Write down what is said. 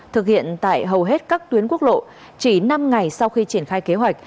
thực hiện tại hầu hết các tuyến quốc lộ chỉ năm ngày sau khi triển khai kế hoạch